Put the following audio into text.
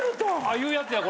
言うやつやこれ。